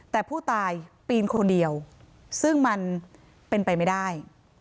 แต่ผู้ตายปีนคนเดียวซึ่งมันเป็นไปไม่ได้